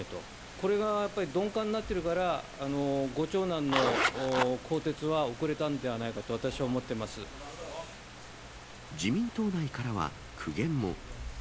これがやっぱり鈍感になってるから、ご長男の更迭は遅れたんでは自民党内からは苦言も。